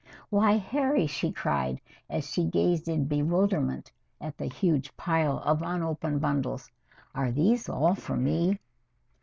"Why, Harry!" she cried as she gazed in bewilderment at the huge pile of unopened bundles. "Are these all for me?"